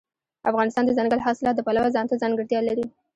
افغانستان د دځنګل حاصلات د پلوه ځانته ځانګړتیا لري.